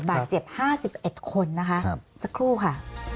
บาดเจ็บ๕๑คนนะคะสักครู่ค่ะ